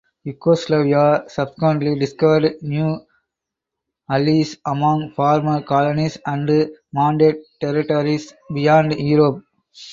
Yugoslavia subsequently discovered new allies among former colonies and mandate territories beyond Europe.